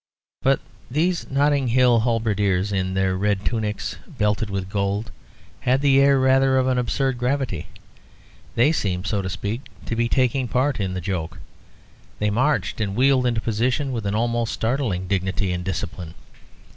But these Notting Hill halberdiers in their red tunics belted with gold had the air rather of an absurd gravity. They seemed, so to speak, to be taking part in the joke. They marched and wheeled into position with an almost startling dignity and discipline.